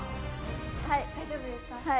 はい、大丈夫です。